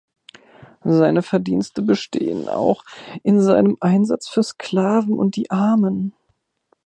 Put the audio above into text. Seine Verdienste bestehen auch in seinem Einsatz für Sklaven und die Armen.